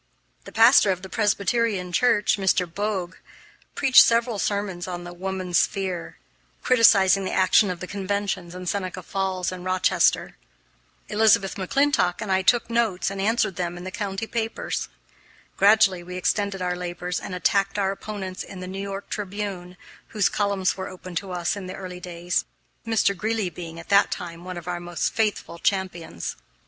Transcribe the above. The pastor of the Presbyterian Church, Mr. Bogue, preached several sermons on Woman's Sphere, criticising the action of the conventions in Seneca Falls and Rochester. Elizabeth McClintock and I took notes and answered him in the county papers. Gradually we extended our labors and attacked our opponents in the New York Tribune, whose columns were open to us in the early days, Mr. Greeley being, at that time, one of our most faithful champions.